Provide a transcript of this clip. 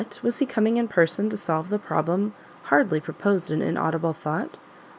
was he coming in person to solve the problem hardly proposed in inaudible thought?